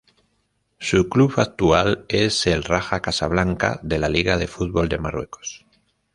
Su club actual es el Raja Casablanca de la Liga de Fútbol de Marruecos.